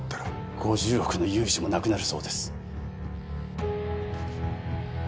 ５０億の融資もなくなるそうです